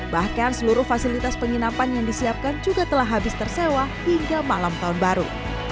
bahkan seluruh fasilitas penginapan yang disiapkan juga telah habis tersewa hingga malam tahun baru